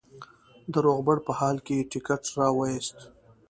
د روغبړ په حال کې ټکټ را وایست.